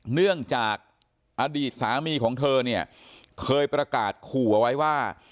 เนื่องจากอดีตสามีของเธอเนี่ยเคยประกาศขู่เอาไว้ว่า